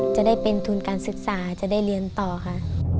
จะได้เป็นทุนการศึกษาจะได้เรียนต่อค่ะ